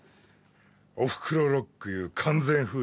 『おふくろロックユー』完全封印ってな。